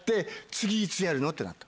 次いつやるの？ってなった。